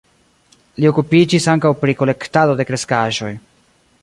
Li okupiĝis ankaŭ pri kolektado de kreskaĵoj.